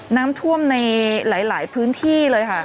น้ำท่วมในหลายพื้นที่เลยค่ะ